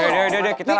udah udah udah